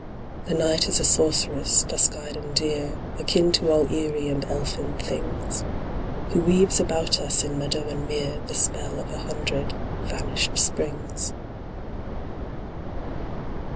The night is a sorceress, dusk eyed and dear, Akin to all eerie and elfin things, Who weaves about us in meadow and mere The spell of a hundred vanished Springs.